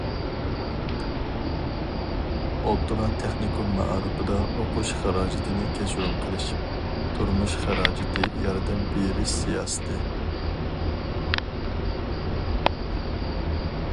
ئوتتۇرا تېخنىكوم مائارىپىدا ئوقۇش خىراجىتىنى كەچۈرۈم قىلىش، تۇرمۇش خىراجىتى ياردەم بېرىش سىياسىتى.